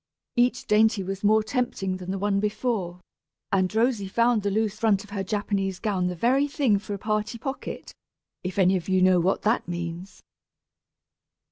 Each dainty was more tempting than the one before, and Rosy found the loose front of her Japanese gown the very thing for a "party pocket," if any of you know what that means!